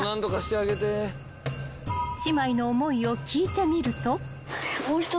［姉妹の思いを聞いてみると］